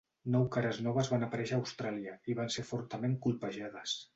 Nou cares noves van aparèixer a Austràlia i van ser fortament colpejades.